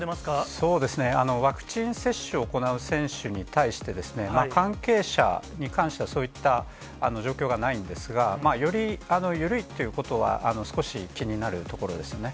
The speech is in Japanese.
そうですね、ワクチン接種を行う選手に対して、関係者に関しては、そういった状況がないんですが、より緩いってことは、少し気になるところですね。